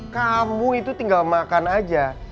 kamu itu tinggal makan aja